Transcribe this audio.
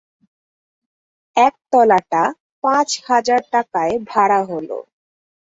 একতলাটা পাঁচ হাজার টাকায় ভাড়া হল।